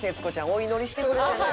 お祈りしてくれてんで。